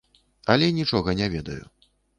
Але нічога не ведаю.